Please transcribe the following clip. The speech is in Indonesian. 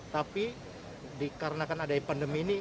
tapi dikarenakan ada pandemi ini